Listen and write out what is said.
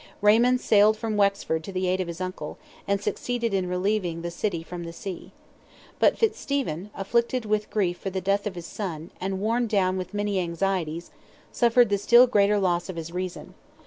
Raymond sailed from Wexford to the aid of his uncle, and succeeded in relieving the city from the sea. But Fitzstephen, afflicted with grief for the death of his son, and worn down with many anxieties, suffered the still greater loss of his reason.